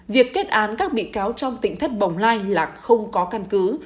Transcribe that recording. việc kết án các bị cáo trong tỉnh thất bồng lai là không có căn cứ